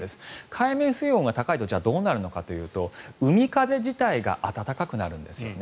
海面水温が高いとどうなるのかというと海風自体が暖かくなるんですよね